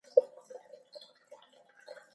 دې نکتې هغوی راپارولي دي او زه نور نه پوهېږم